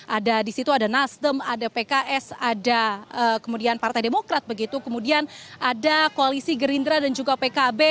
ada di situ ada nasdem ada pks ada kemudian partai demokrat begitu kemudian ada koalisi gerindra dan juga pkb